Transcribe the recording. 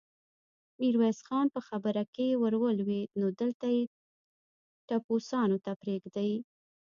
ميرويس خان په خبره کې ور ولوېد: نو دلته يې ټپوسانو ته پرېږدې؟